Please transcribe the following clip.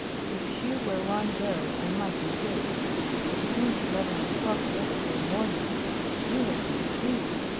"If she were one girl I might resist. But since eleven o'clock yesterday morning she has been three.